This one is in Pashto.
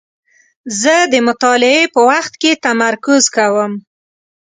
زه د مطالعې په وخت کې تمرکز کوم.